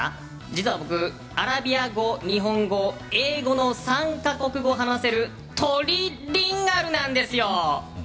実は僕アラビア語、日本語、英語の３か国語話せるトリリンガルなんですよ！